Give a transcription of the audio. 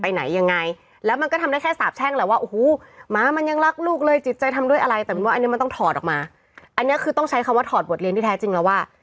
อันนี้คือต้องใช้คำว่าถอดบทเลียนที่แท้จริงแล้วว่า